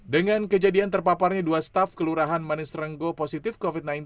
dengan kejadian terpaparnya dua staf kelurahan manis renggo positif covid sembilan belas